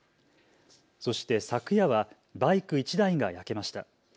そして昨夜はバイク１台が焼けました。